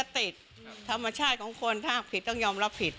เตะท์ก็เตะท์ธรรมชาติหลามผิดก็ต้องรับผิด